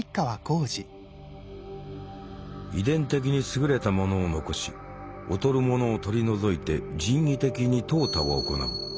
遺伝的に優れた者を残し劣る者を取り除いて人為的に淘汰を行う。